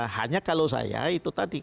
hanya kalau saya itu tadi